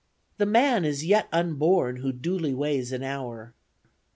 "The man is yet unborn, who duly weighs an hour.